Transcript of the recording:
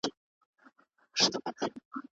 د جنت نعمتونه بې ساري دي.